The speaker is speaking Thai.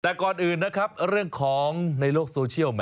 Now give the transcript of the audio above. แต่ก่อนอื่นนะครับเรื่องของในโลกโซเชียล